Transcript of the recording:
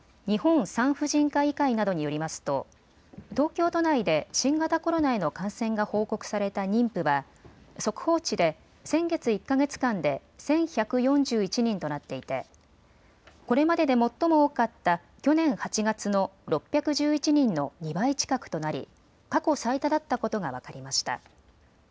日本産婦人科医会などによりますと東京都内で新型コロナへの感染が報告された妊婦は速報値で先月１か月間で１１４１人となっていてこれまでで最も多かった去年８月の６１１人の２倍近くとなり、過去最多だったことが分かりました。